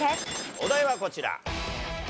お題はこちら。